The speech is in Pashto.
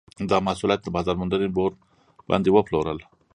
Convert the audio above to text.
دا محصولات یې د بازار موندنې بورډ باندې وپلورل.